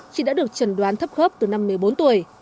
chị đã được trần đoán thấp khớp từ năm một mươi bốn tuổi